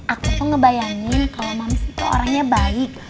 aku tuh ngebayangin kalau mamis itu orangnya baik